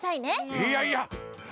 いやいや。